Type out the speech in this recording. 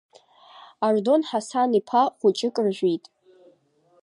Ардон Ҳасан-иԥа хәыҷык ржәит!